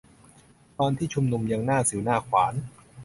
ตอนที่ชุมนุมยังหน้าสิ่วหน้าขวาน